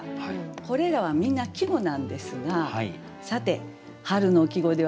これらはみんな季語なんですがさて春の季語ではない貝はどれでしょう。